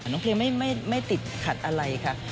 น้องเพลงไม่ติดขัดอะไรค่ะ